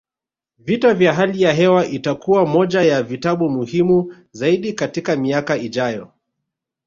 Vita vya hali ya hewa itakuwa moja ya vitabu muhimu zaidi katika miaka ijayo